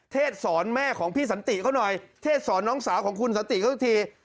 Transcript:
เทศสอนแม่ของพี่สันติเขาหน่อยเทศสอนน้องสาวของคุณสันติเขาสักที